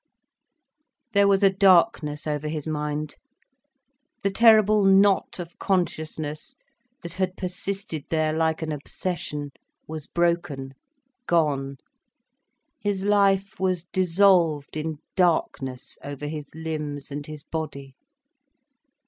There was a darkness over his mind. The terrible knot of consciousness that had persisted there like an obsession was broken, gone, his life was dissolved in darkness over his limbs and his body.